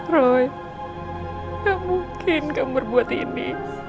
roy gak mungkin kamu berbuat ini